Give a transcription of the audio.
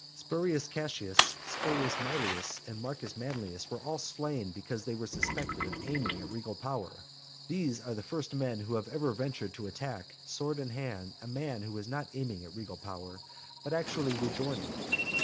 Spurius Cassius, Spurius Maelius, and Marcus Manlius were all slain because they were suspected of aiming at regal power. These are the first men who have ever ventured to attack, sword in hand, a man who was not aiming at regal power, but actually reigning.